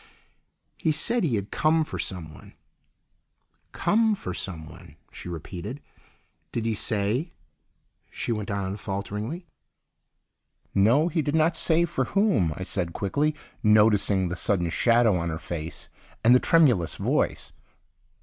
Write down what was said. "He said he had come for someone." "Come for someone," she repeated. "Did he say—" she went on falteringly. "No, he did not say for whom," I said quickly, noticing the sudden shadow on her face and the tremulous voice.